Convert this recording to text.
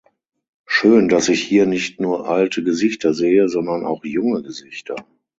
Schön, dass ich hier nicht nur alte Gesichter sehe, sondern auch junge Gesichter!